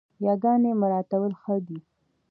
ياګاني مراعتول ښه دي